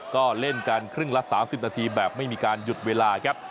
ก็เล่นกันครึ่งละ๓๐นาทีแบบไม่มีการหยุดเวลาครับ